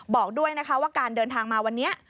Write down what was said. บอกด้วยนะคะว่าการเดินทางมาวันนี้